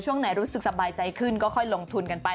ช่วงไหนรู้สึกสบายใจขึ้นก็ค่อยลงทุนกันไป